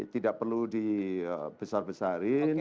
tidak perlu dibesar besarin